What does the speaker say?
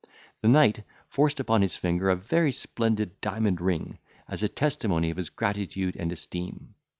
The knight forced upon his finger a very splendid diamond ring, as a testimony of his gratitude and esteem.